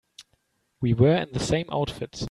We were in the same outfit.